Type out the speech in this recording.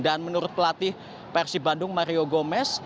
dan menurut pelatih persib bandung mario gomez